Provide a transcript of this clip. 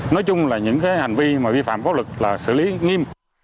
nói chung là những hành vi mà vi phạm pháp luật là xử lý nghiêm